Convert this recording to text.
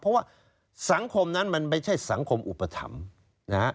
เพราะว่าสังคมนั้นมันไม่ใช่สังคมอุปถัมภ์นะฮะ